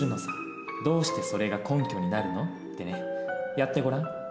やってごらん。